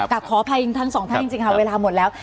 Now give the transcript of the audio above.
ขออภัยทั้งสองท่านจริงค่ะเวลาหมดแล้ว